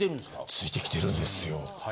ついてきてるんですよ。